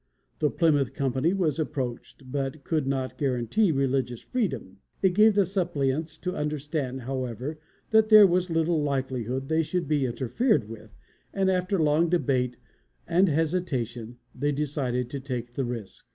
The Plymouth company was approached, but could not guarantee religious freedom. It gave the suppliants to understand, however, that there was little likelihood they would be interfered with, and after long debate and hesitation, they decided to take the risk.